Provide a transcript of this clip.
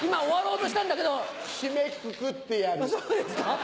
そうですか？